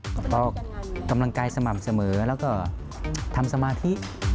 ก็ออกกำลังกายสม่ำเสมอแล้วก็ทำสมาธิ